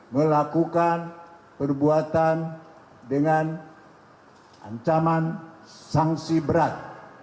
melakukan perbuatan dengan ancaman sanksi berat